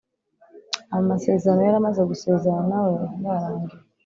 amasezerano yaramaze gusezerana nawe yarangiye